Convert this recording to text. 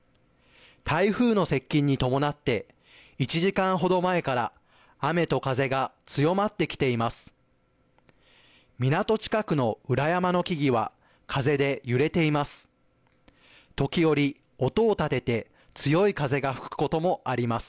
台風の接近に伴って１時間ほど前から雨と風が強まってきています。